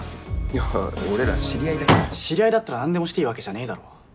いや俺ら知り合いだし知り合いだったら何でもしていいわけじゃねえだろ